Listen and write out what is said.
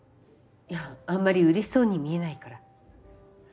いやあんまりうれしそうに見えないから。